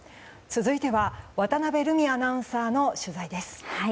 続いては渡辺瑠海アナウンサーの取材です。